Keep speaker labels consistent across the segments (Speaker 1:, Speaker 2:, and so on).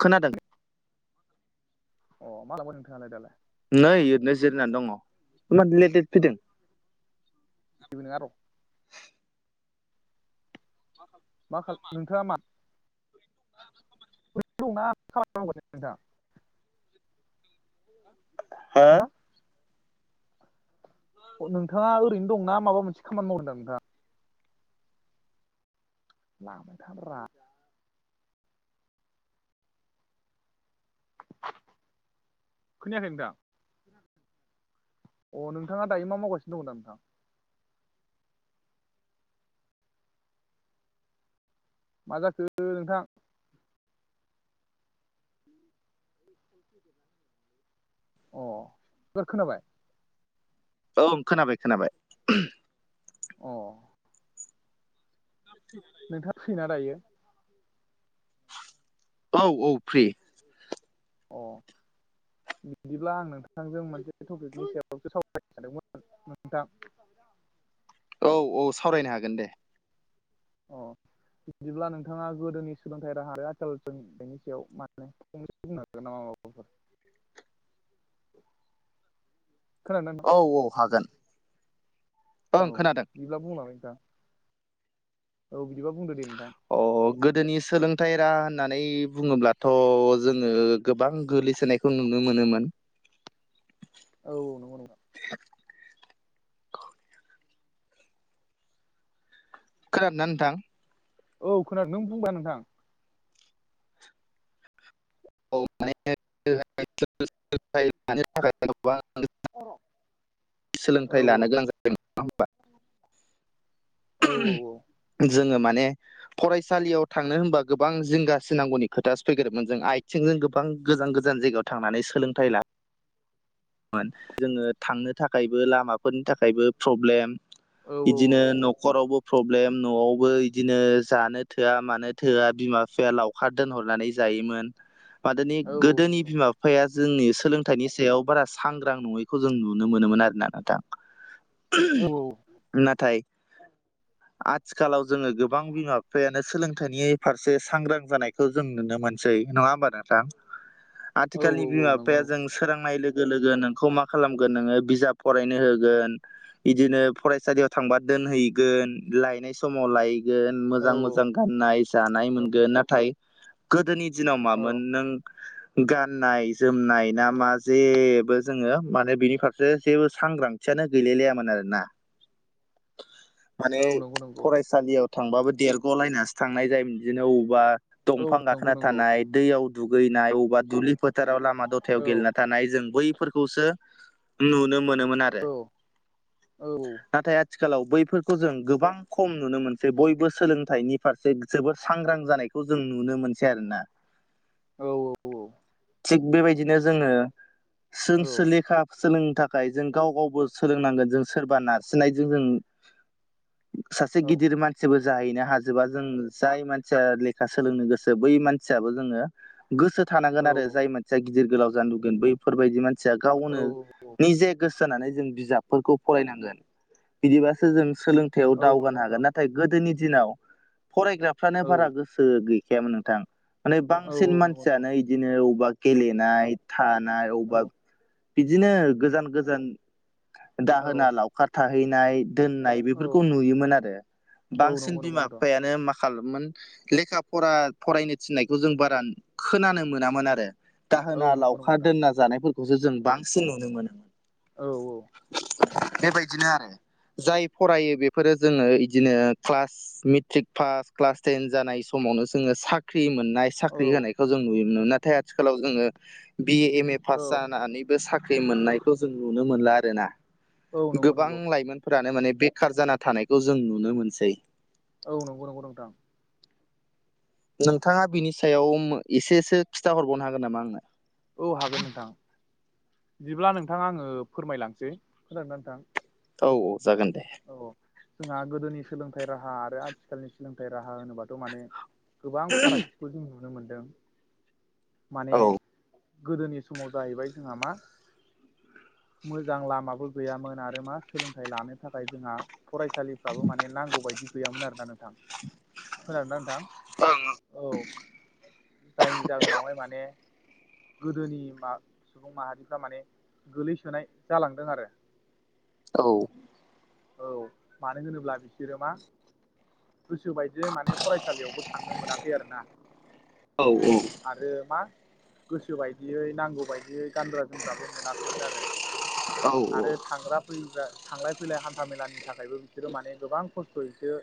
Speaker 1: खोनादों
Speaker 2: अ मा [unintelligible] नोंथाङालाय दालाय
Speaker 1: नै ओरनो जिरायनानै दङ [unintelligible] फैदों
Speaker 2: जेबो नङा र' मा खालाम नोंथाङा मा [unintelligible]
Speaker 1: हो
Speaker 2: हा नोंथाङा ओरैनो दंना माबा मोनसे खामानि मावदों दा नोंथाङा [unintelligible] खोनायाखै नोंथां अ नोंथाङा दायो मा मावगासिनो दं [unintelligible] नोंथां मा जाखो नोंथां [inaudible] अ एबार खोनाबाय
Speaker 1: ओं खोनाबाय खोनाबाय
Speaker 2: अ
Speaker 1: [unintelligible]
Speaker 2: नोंथाङा फ्रिना दायो।
Speaker 1: औ औ फ्रि
Speaker 2: अ बिदिब्ला आं नोंथांजों मोनसे टपिकनि सायावसो सावरायनो सानदोंमोन नोंथां [unintelligible]
Speaker 1: औ औ सावरायनो हागोन दे
Speaker 2: अ बिदिब्ला नोंथाङा गोदोनि सोलोंथाइ राहा आरो आथिखालनि बेनायनि सायाव माने से बुंनो हागोन नामा माबाफोर
Speaker 1: [unintelligible]
Speaker 2: खोनादों ना
Speaker 1: औ औ हागोन। ओं
Speaker 2: औ
Speaker 1: खोनादों
Speaker 2: बिब्ला बुंलाय नोंथां। औ बिदिबा बुंदो दे नोंथां
Speaker 1: अ गोदोनि सोलोंथाइ राहा होननानै बुङोब्लाथ' जोङो गोबां गोग्लैसोनाय। खौ नुनो मोनोमोन
Speaker 2: औ नंगौ नोंथां
Speaker 1: खोनादोंना नोंथां
Speaker 2: औ खोनादों नों बुंबा नोंथां
Speaker 1: [unintelligible]
Speaker 2: औ औ
Speaker 1: सोलोंथाइ
Speaker 2: औ
Speaker 1: लानो गोनां जादों नाडा़ होनबा
Speaker 2: औ
Speaker 1: जोङो माने फरायसालियाव थांनो होनबा गोबां जिंगासिनांगौनि खोथासो फैग्रोदोंमोन जों आथिंजों गोबां गोजान गोजान जायगायाव थांनानै सोलोंथाइ लाहै जोङो थांनो थाखायबो लामाफोरनि थाखायबो प्रब्लेम बिदिनो
Speaker 2: औ
Speaker 1: न'खरावबो प्रब्लेम न'आवबो बिदिनो जानो थोआ मानो थोआ बिमा बिफाया लाव लावखार दोनहरनानै जायोमोन मादोनि
Speaker 2: औ
Speaker 1: [unintelligible] गोदोनि
Speaker 2: नंगौ
Speaker 1: बिमा बिफाया जोंनि सोलोंथाइनि सायाव बारा सांग्रां नङैखौ जों नुनो मोनोमोन आरो ना नोंथां
Speaker 2: औ औ
Speaker 1: नाथाय औ आथिखालाव जोङो गोबां बिमा बिफायानो सोलोंथाइनि फारसे सांग्रां जानाय थ' जों नुनो मोनसै नङा होमबा नोंथां
Speaker 2: औ
Speaker 1: आथिखालनि बिमा
Speaker 2: नंगौ नंगौ
Speaker 1: बिफाया जों
Speaker 2: नोंथां
Speaker 1: सोरांनाय लोगो लोगो लोगो नोंखौ मा खालामगोन नोङो बिजाब फरायनो होगोन बिदिनो फरायसालियाव थांबा दोनहैगोन लायनाय समाव लाय-गोन
Speaker 2: औ
Speaker 1: मोजां मोजां गाननाय जानाय मोनगोन नाथाय गोदोनि दिनाव
Speaker 2: औ
Speaker 1: मामोन नों गाननाय जोमनाय ना मा जे जेबो जोङो माने बिनि फारसे जेबो सांग्रांथियानो गैलायलायामोन आरोना माने
Speaker 2: औ नंगौ नंगौ
Speaker 1: फरायसालियाव थांबाबो देरग'लायनासो थांनाय जायोमोन बिदिनो अबेबा
Speaker 2: औ
Speaker 1: दंफां
Speaker 2: नंगौ
Speaker 1: गाखोना
Speaker 2: नंगौ
Speaker 1: थानाय
Speaker 2: औ
Speaker 1: दैयाव दुगैनाय अबावबा दुब्लि फोथाराव लामा दथायाव
Speaker 2: औ
Speaker 1: गेलेना थानाय जों बैफोरखौसो नुनो मोनो नुनो मोनो आरो
Speaker 2: औ औ
Speaker 1: नाथाय आथि आथिखालाव बैफोरखौ जों गोबां खम नुनो मोनसै बयबो सोलोंथाइनि फारसे जोबोर सांग्रां जानाय खौ जों नुनो मोनसै आरोना
Speaker 2: औ औ
Speaker 1: थिग बेबायदिनो जोङो सों
Speaker 2: औ
Speaker 1: सिलेखा सोलोंनो थाखाय जों गाव गावबो सोलोंनांगोन जों सोरबा नारसिननायजों जों सासे गिदिर मानसि जेबो जाहैनो हाजोबा जों जाय मानसिया लेखा सोलोंनो गोसो बै मानसियाबो जोङो गोसो थानांगोन आरो जाय मानसिया गिदिर गोलाव जानो लुबैगोन बैफोरबायदि मानसिया
Speaker 2: औ
Speaker 1: गावनो निजे गोसो होनानै जों बिजाबफोरखौ फरायनांगोन बिदिबासो जों सोलोंथायाव
Speaker 2: औ
Speaker 1: दावगानो
Speaker 2: नंगौ
Speaker 1: हागोन
Speaker 2: नोंथां
Speaker 1: नाथाय गोदोनि दिनाव फरायग्राफ्रानो
Speaker 2: औ
Speaker 1: बारा गोसो गोसो गैखायामोन नोंथां माने
Speaker 2: औ
Speaker 1: बांसिन
Speaker 2: नंगौ
Speaker 1: मानसियानो बिदिनो बबावबा गेलेनाय थानाय
Speaker 2: औ
Speaker 1: अबेबा बिदिनो गोजान गोजान हो
Speaker 2: औ
Speaker 1: दाहोना लावखार थाहैनाय दोननाय बेफोरखौ नुयोमोन आरो
Speaker 2: औ
Speaker 1: बांसिन
Speaker 2: नंगौ नंगौ
Speaker 1: बिमा
Speaker 2: नोंथां
Speaker 1: बिफायानो माखा आंखालामोन लेखा फरा फरायनो थिननायखौ जों बारा खोनानो मोनामोन आरो
Speaker 2: औ
Speaker 1: दाहोना
Speaker 2: नंगौ नंगौ
Speaker 1: लावखार
Speaker 2: नोंथां
Speaker 1: दोनना जानायफोरखौसो जों बांसिन नुनो मोनोमोन
Speaker 2: औ औ
Speaker 1: बेबायदिनो आरो जाय फरायो बेफोरो जोङो इदिनो class matric pass class ten जानाय समावनो जोङो सा ख्रि मोननाय
Speaker 2: औ
Speaker 1: साख्रि होनायखौ जों नुयोमोन नाथाय आथिखालाव जोङो बिए एम ए
Speaker 2: औ औ
Speaker 1: पास जानानैबो साख्रि मोननायखौ जों नुनो मोनला आरोना
Speaker 2: औ नंगौ
Speaker 1: गोबां
Speaker 2: नंगौ
Speaker 1: लाइमोनफोरानो माने बेखार जाना थानायखौ जों नुनो मोनसै
Speaker 2: औ नंगौ नंगौ नोंथां
Speaker 1: नोंथांआ बिनि सायाव उम एसेसो खिन्थााहरबावनो हागोन नामा आंनो
Speaker 2: औ हागोन नोंथां बिदिब्ला नोंथां आङो फोरमायलांसै खोनादोंना नोंथां
Speaker 1: औ औ जागोन दे
Speaker 2: औ जोंहा गोदोनि सोलोंथाइ राहा आरो आथिखालनि सोलोंथाइ राहा होनोबा माने गोबां फारागथिखौ जों नुनो मोनदों माने
Speaker 1: औ ओं
Speaker 2: ओ गोदोनि समाव जायैबाय जोंहा मा मोजां लामाबो गैयामोन आरो मा सोलोंथाइ लानो थाखाय जोंहा फरायसालिफ्राबो माने नांगौ बायदि गैयामोन आरोना नोंथां खोनादोंना नोंथां औ जायनि जाहोनावहाय माने गोदोनि मा सुबुं माहारिफ्रा माने गोलैसोनाय जालांदों आरो
Speaker 1: औ
Speaker 2: औ मानो होनोब्ला बिसोरो मा गोसो बायदि माने फरायसालिआवबो थांनो मोनाखै आरो ना
Speaker 1: औ औ
Speaker 2: आरो मा गोसो बायदियै नांगौ बायदियै गानग्रा जोमग्राबो मोनाखैमोन आरो
Speaker 1: औ
Speaker 2: आरो थांग्रा फैग्रा थांलाय फै फैलाय हानथा मेलानि थाखायबो बिसोरो माने गोबां खसथ'यैसो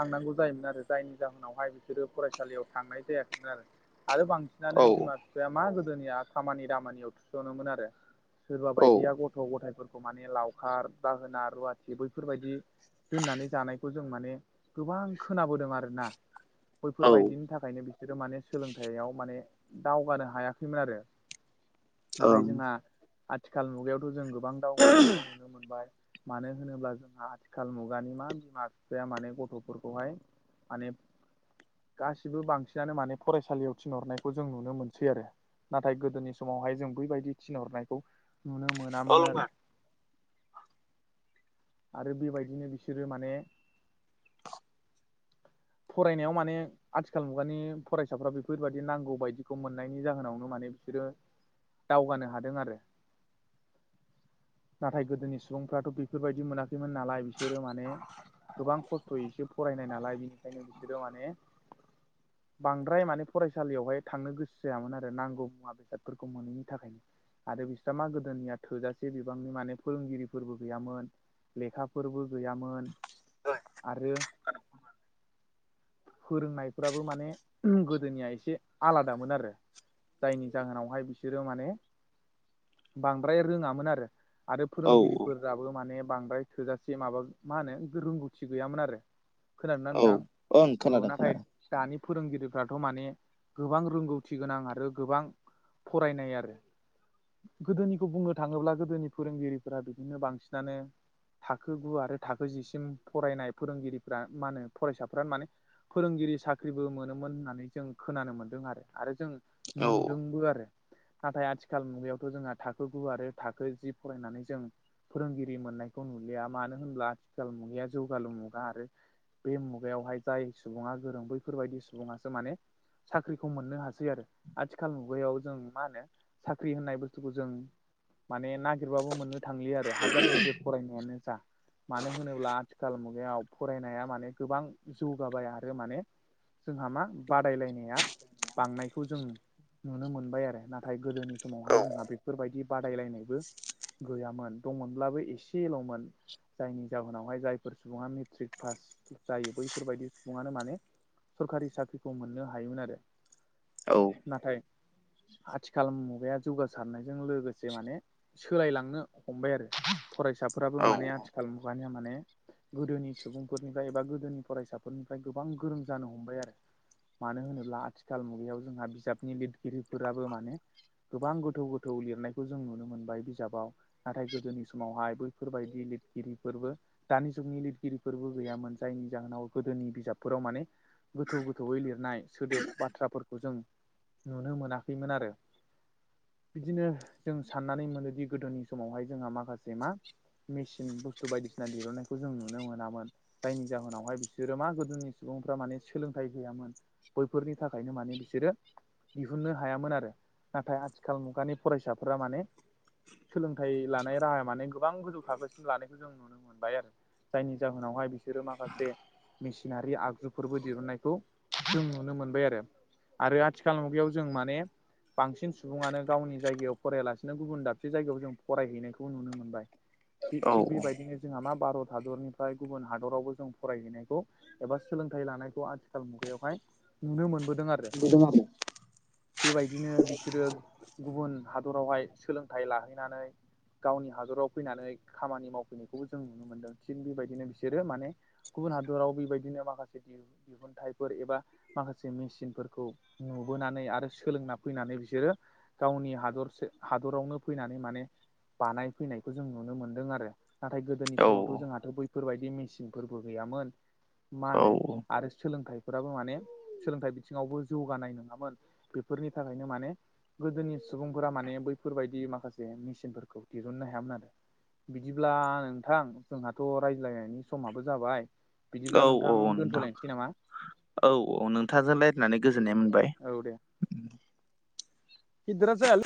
Speaker 2: थांनांगौ जायोमोन आरो जायनि जाहोनावहाय बिसोरो फरायसालिआव थांनाय जायाखैमोन आरो आरो बांसिनानो बिमा बिफाया मा गोदोनिआ खामानि दामानिआल थुस'नोमोन आरो सोरबा बायदिया गथ' गथायाइफोरखौ मानि लावखार बाहोना रुवाथि बैफोरबायदि दोननानै जानायखौ जों माने गोबां खोनाबोदों आरोना
Speaker 1: औ ओं
Speaker 2: बैफोरबायदिनि थाखायनो बिसोरो माने सोलोंथाइआव माने दावगानो हायाखैमोन आरो नाथाय जोंहा आथिखाल मुगायावथ' जों गोबां दावगाहोनायखौ नुनो मोनबाय मानो होनोब्ला जोंहा आथिखाल मुगानि मा बिमा बिफाया माने गथ'फोरखौहाय माने गासिबो बांसिनानो माने फरायसालियाव थिनहरनायखौ जों नुनो मोनसै आरो नाथाय गोदोनि समावहाय जों बैबायदि थिनहरनायखौ नुनो मोनामोन आरो आरो बेबायदिनो बिसोरो माने
Speaker 1: [inaudible]
Speaker 2: फरायनायाव माने आथिखाल मुगानि फरायसाफ्रा बेफोरबादि नांगौ बायदिखौ मोननायनि जाहोनावनो माने बिसोरो दावगानो हादों आरो नाथाय गोदोनि सुबुं फ्राथ' बेफोरबायदि मोनाखैमोन नालाय बिसोरो माने गोबां खसथ'यैसो फरायनाय नालाय बिनिखायनो बिसोरो माने
Speaker 1: [inaudible]
Speaker 2: बांद्राय माने फरायसालिआवहाय थांनो गोसो जायामोन आरो नांगौ मुवा बेसादफोरखौ मोनैनि थाखायनो आरो बिस्रा मा गोदोनिया थोजासे बिबांनि माने फोरोंगिरि फोरबो गैयामोन लेखाफोरबो गैयामोन आरो फोरोंनायफ्राबो माने गोदोनिया एसे आलादामोन आरो जायनि जाहोनावहाय बिसोरो माने बांद्राय रोङामोन आरो आरो
Speaker 1: औ
Speaker 2: फोरोंगिरिफोराबो माने बांद्राय थोजासे माबा मा होनो रोंगौथि गैयामोन आरो खोनादों ना नोंथां
Speaker 1: औ ओं
Speaker 2: औ
Speaker 1: खोनादों
Speaker 2: नाथाय
Speaker 1: खोनादों
Speaker 2: दानि फोरोंगिरिफ्राथ माने गोबां रोंगौथि गोनां आरो गोबां फरायनाय आरो गोदोनिखौ बुंनो थाङोब्ला गोदोनि फोरोंगिरिफोरा बि दिनो बांसिनानो थाखो गु आरो थाखो जिसिम फरायनाय फोरोंगिरिफ्रा मा होनो फरायसाफोरानो माने फोरोंगिरि साख्रिबो मोनोमोन होननानै जों खोनानो मोन्दों आरो आरो जों
Speaker 1: औ
Speaker 2: नुदोंबो आरो नाथाय आथिखाल मुगायावथ जोंहा थाखो गु आरो थाखो जि फरायनानै जों फोरोंगिरि मोननायखौ नुलिया मानो होनब्ला आथिखाल मुगाया जौगालु मुगा आरो बे मुगायावहाय जाय सुबुङा गोरों बैफोरबायदि सुबुङासो माने साख्रिखौ मोननो हासै आरो आथिखाल मुगायाव जों मा होनो साख्रि होननाय बुसथुखौ जों माने नागिरबाबो मोननो थांलिया आरो हाजार गिदिर फरायनायानो जा मानो होनोब्ला आथिखाल मुगायाव फरायनाया माने गोबां जौगाबाय आरो माने जोंहा मा बादायलायनाया बांनायखौ जों नुनो मोनबाय आरो नाथाय गोदोनि
Speaker 1: औ
Speaker 2: समावहाय जोंहा बेफोरबायदि बादायलायनायबो गैयामोन दंमोनब्लाबो एसेलमोन जायनि जाहोनावहाय जायफोर सुबुङा मेट्रिक पास जायो बैफोरबायदि सुबुङानो माने सोरखारि साख्रिखौ मोननो हायोमोन आरो
Speaker 1: औ
Speaker 2: नाथाय आथिखाल मुगाया जौगासारनायजों लोगोसे माने सोलायलांनो हमबाय आरो फरायसाफोराबो माने आथिखाल मुगानिया माने गोदोनि सुबुंफोरनिफ्राय एबा गोदोनि फरायसाफोरनिफ्राय गोबां गोरों जानो हमबाय आरो मानो होनोब्ला आथिखाल मुगायाव जोंहा बिजाबनि लिरगिरिफोराबो माने गोबां गोथौ गोथौ लिरनायखौ जों नुनो मोनबाय बिजाबाव नाथाय गोदोनि समावहाय बैफोरबायदि लिरगिरिफोरबो दानि जुगनि लिरगिरिफोरबो गैयामोन जायनि जाहोनाव गोदोनि बिजाबफोराव माने गोथौ गोथौयै लिरनाय सोदोब बाथ्राफोरखौ जों नुनो मोनाखैमोन आरो बिदिनो जों साननानै मोनोदि गोदोनि समावहाय जोंहा माखासे मा मेसिन बुस्थु बायदिसिना दिरुननायखौ जों नुनो मोनामोन जायनि जाहोनावहाय बिसोरो मा गोदोनि सुबुंफ्रा माने सोलोंथाइ गैयामोन बैफोरनि थाखायनो माने बिसोरो दिहुननो हायामोन आरो नाथाय आथिखाल मुगानि फरायसाफोरा माने सोलोंथाइ लानाय राहा माने गोबां गोजौ थाखोसिम लानायखौ जों नुनो मोनबाय आरो जायनि जाहोनावहाय बिसोरो माखासे मेसिनारि आगजुफोरबो दिहुनन्नायखौ जों नुनो मोनबाय आरो आरो आथिखाल मुगायाव जों माने बांसिन सुबुङानो गावनि जायगायाव फरायालासिनो गुबुन दाब से जायगायाव जों फरायहैनायखौ नुनो मोनबाय
Speaker 1: औ
Speaker 2: थिग बेबायदिनो जोंहा मा भारत हादरनिफ्राय गुबुन हादरावबो जों फरायहैनायखौ एबा सोलोंथाइ लानायखौ आथिखाल मुगायावहाय नुनो मोनबोदों आरो
Speaker 1: [unintelligible]
Speaker 2: बेबायदिनो बिसोरो गुबुन हादरावहाय सोलोंथाइ लाहैनानै गावनि हादराव फैनानै खामानि मावफैनायखौबो जों नुनो मोनदों थिग बेबायदिनो बिसोरो माने गुबुन हादराव बेबायदिनो माखासे दिहुनथाइफोर एबा माखासे मेसिनफोरखौ नुबोनानै आरो सोलोंना फैनानै बिसोरो गावनि हादरसो हादरावनो फैनानै माने बानाय फैनायखौ जों नुनो मोनदों आरो नाथाय गोदोनि समावथ' जोंहाथ' बै फोरबायदि मेसिनफोरबो गैयामोन मानो
Speaker 1: औ
Speaker 2: आरो सोलोंथाइ फोराबो माने सोलोंथाइ बिथिङावबो जौगानाय नोङामोन बेफोरनि थाखायनो माने गोदोनि सुबुंफोरा माने बैफोरबायदि माखासे मिसिनफोरखौ दिरुन्नो हायामोन आरो। बिदिब्ला नोंथां जोंहाथ' रायज्लायनायनि समाबो जाबाय बिदिब्ला
Speaker 1: औ औ नोंथां
Speaker 2: दोनथ'लायनोसै नामा
Speaker 1: औ औ नोंथांजों रायलायनानै गोजोननाय मोनबाय।
Speaker 2: औ दे। गिदिरा जायाल